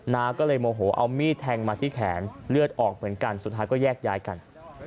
น้าก็เลยโมโหเอามีดแทงมาที่แขนเลือดออกเหมือนกันสุดท้ายก็แยกย้ายกัน